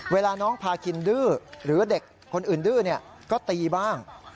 เวลาน้องพาคินดื้อหรือเด็กคนอื่นดื้อก็ตีบ้าง